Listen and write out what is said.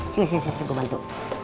sini sini gue bantu